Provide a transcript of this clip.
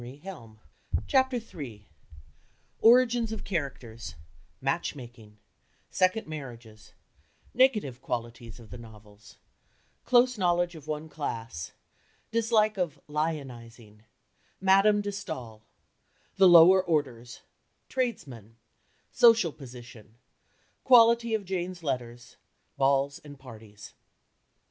III CONTACT WITH LIFE Origins of characters Matchmaking Second marriages Negative qualities of the novels Close knowledge of one class Dislike of "lionizing" Madame de Staël The "lower orders" Tradesmen Social position Quality of Jane's letters Balls and parties.